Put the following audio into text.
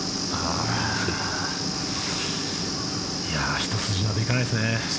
一筋縄ではいかないですね。